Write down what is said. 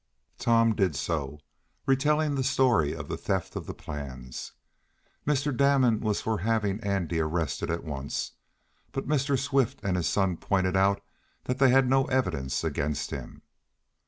Tom did so, relating the story of the theft of the plans. Mr. Damon was for having Andy arrested at once, but Mr. Swift and his son pointed out that they had no evidence against him.